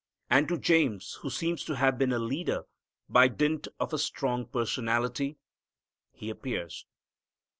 And to James, who seems to have been a leader by dint of a strong personality, He appears.